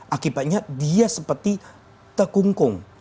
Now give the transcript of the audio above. akibatnya dia seperti terkungkung